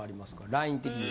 ライン的に。